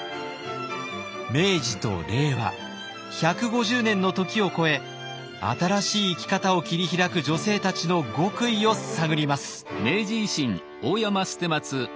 明治と令和１５０年の時を越え新しい生き方を切り開く女性たちの極意を探ります。